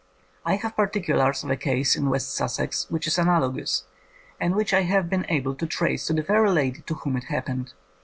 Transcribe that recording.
I have particulars of a case in West Sussex which is analogous, and which I have been able to trace to the very lady to whom it happened.